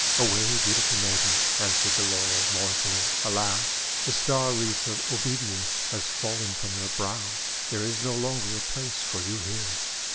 "Away, beautiful maiden," answered the Laurel mournfully. "Alas! the star wreath of obedience has fallen from your brow. There is no longer a place for you here."